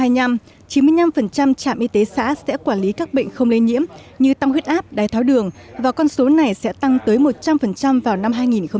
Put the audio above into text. năm hai nghìn hai mươi năm chín mươi năm trạm y tế xã sẽ quản lý các bệnh không lây nhiễm như tăng huyết áp đái tháo đường và con số này sẽ tăng tới một trăm linh vào năm hai nghìn ba mươi